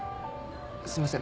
すいません